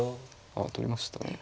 あ取りましたね。